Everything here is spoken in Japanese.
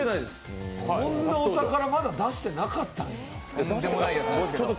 こんなお宝まだ出してなかったの？